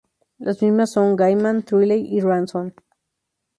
Las mismas son: Gaiman, Trelew y Rawson.